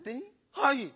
はい。